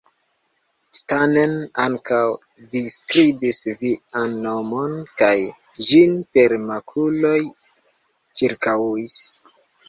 Stanen, ankaŭ vi skribis vian nomon kaj ĝin per makuloj ĉirkaŭis!